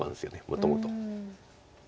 もともと。